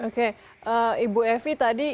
oke ibu evi tadi